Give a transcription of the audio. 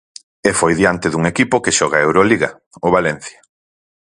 E foi diante dun equipo que xoga a Euroliga, o Valencia.